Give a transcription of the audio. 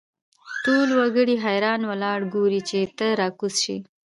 ټول وګړي حیران ولاړ ګوري چې ته را کوز شې.